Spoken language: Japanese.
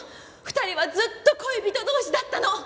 ２人はずっと恋人同士だったの！